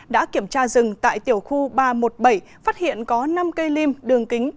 đã kiểm tra rừng tại tiểu khu ba trăm một mươi bảy phát hiện có năm cây lim đường kính